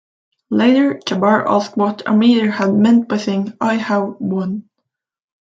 Later Jabbar asked what Amir had meant by saying, I have won.